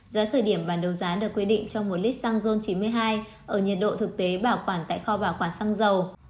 giá khởi điểm bàn đầu giá được quyết định cho một lít xăng ron chín mươi hai ở nhiệt độ thực tế bảo quản tại kho bảo quản xăng ron chín mươi hai